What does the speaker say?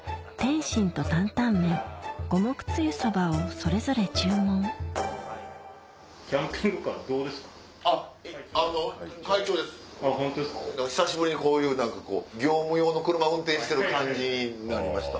それぞれ注文久しぶりにこういう業務用の車運転してる感じになりました。